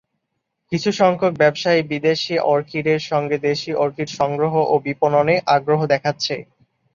কিছুসংখ্যক ব্যবসায়ী বিদেশি অর্কিডের সঙ্গে দেশি অর্কিড সংগ্রহ ও বিপণনে আগ্রহ দেখাচ্ছে।